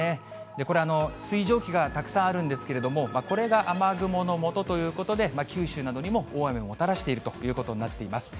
これ、水蒸気がたくさんあるんですけれども、これが雨雲のもとということで、九州などにも大雨をもたらしているということになっています。